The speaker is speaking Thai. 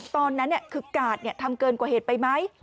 ตอนนั้นเนี่ยคือกาศเนี่ยทำเกินกว่าเหตุไปไหม